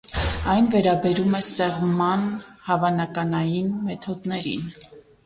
Այն վերաբերում է սեղմման հավանականային մեթոդներին։